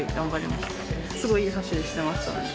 すごいいい走りしてました。